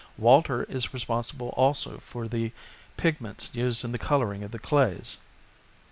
Walter is responsible also for the pigments used in the colouring of the clays.